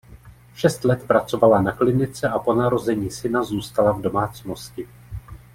Šest let pracovala na klinice a po narození syna zůstala v domácnosti.